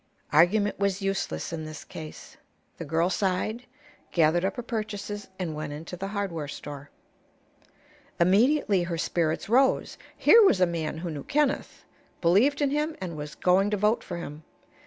Argument was useless in this case. The girl sighed, gathered up her purchases, and went into the hardware store. Immediately her spirits rose. Here was a man who knew Kenneth, believed in him and was going to vote for him.